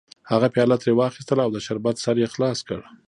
هغه پیاله ترې واخیسته او د شربت سر یې خلاص کړ